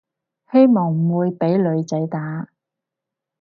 希望唔會畀女仔打